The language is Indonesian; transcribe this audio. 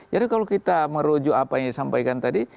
jadi kalau kita merujuk apa yang disampaikan tadi